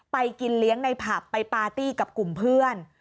ไปกินเลี้ยงในผับไปปาร์ตี้กับกลุ่มเพื่อน